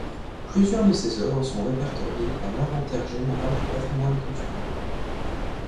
Plusieurs de ses œuvres sont répertoriées à l'Inventaire général du patrimoine culturel.